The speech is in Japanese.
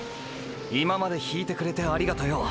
今まで引いてくれてありがとよ。